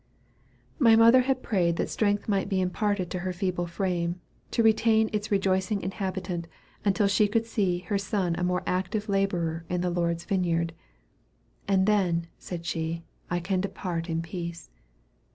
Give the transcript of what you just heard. My mother had prayed that strength might be imparted to her feeble frame, to retain its rejoicing inhabitant until she could see her son a more active laborer in the Lord's vineyard; "and then," said she, "I can depart in peace."